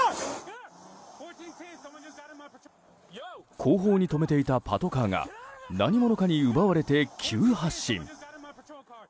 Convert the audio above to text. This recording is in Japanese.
後方に止めていたパトカーが何者かに奪われて急発進。